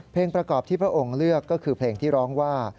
ประกอบที่พระองค์เลือกก็คือเพลงที่ร้องว่า